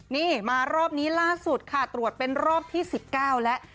นี่มารอบนี้ล่าสุดค่ะตรวจเป็นรอบที่๑๙แล้ว